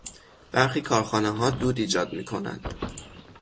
برخی کارخانهها دود ایجاد میکنند.